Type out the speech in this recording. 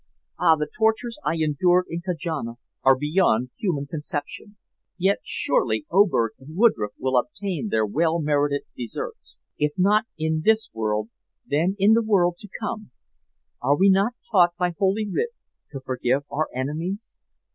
Ah! the tortures I endured in Kajana are beyond human conception. Yet surely Oberg and Woodroffe will obtain their well merited deserts if not in this world, then in the world to come. Are we not taught by Holy Writ to forgive our enemies?